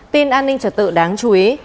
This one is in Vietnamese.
tin an ninh trật tự đáng chú ý